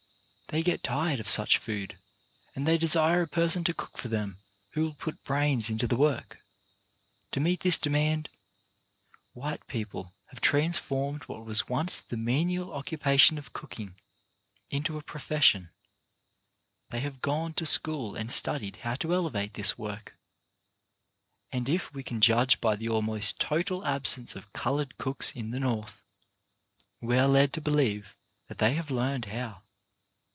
They get tired of such food, and they desire a person to cook for them who will put brains into the work. To met this demand white people have trans formed what was once the menial occupation of cooking into a profession; they have gone to school and studied how to elevate this work, and if we can judge by the almost total absence of coloured cooks in the North, we are led to believe that they have learned how.